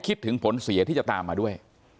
คิดถึงผลเสียที่จะตามมาด้วย